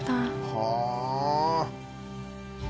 「はあ！」